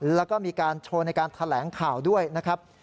แล้วก็มีการโชว์ในการแถลงข่าวด้วยนะครับ